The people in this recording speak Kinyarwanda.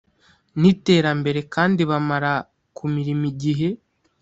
n iterambere kandi bamara ku mirimo igihe